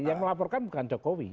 yang melaporkan bukan jokowi